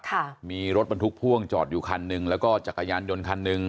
ค่ะมีรถบรรทุกพ่วงจอดอยู่คันหนึ่งแล้วก็จักรยานยนต์คันหนึ่ง